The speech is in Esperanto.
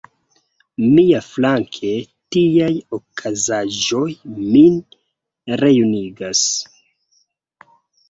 Miaflanke, tiaj okazaĵoj min rejunigas.